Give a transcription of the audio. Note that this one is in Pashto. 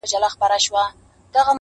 ستا هغه ګوته طلایي چیري ده,